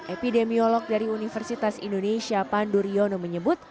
epidemiolog dari universitas indonesia panduryono menyebut